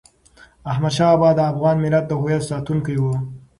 احمد شاه بابا د افغان ملت د هویت ساتونکی و.